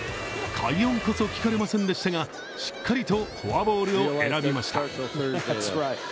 快音こそ聞かれませんでしたがしっかりとフォアボールを選びました。